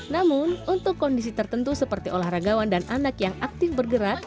namun untuk kondisi tertentu seperti olahragawan dan anak yang aktif bergerak